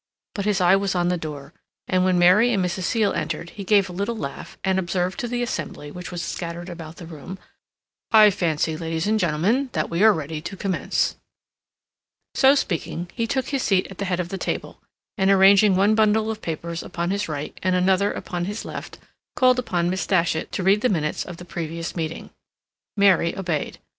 But his eye was on the door, and when Mary and Mrs. Seal entered, he gave a little laugh and observed to the assembly which was scattered about the room: "I fancy, ladies and gentlemen, that we are ready to commence." So speaking, he took his seat at the head of the table, and arranging one bundle of papers upon his right and another upon his left, called upon Miss Datchet to read the minutes of the previous meeting. Mary obeyed.